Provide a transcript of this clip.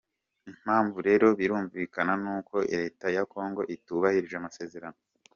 Impamvu rero birumvikana n’uko leta ya Congo itubahirije amasezerano.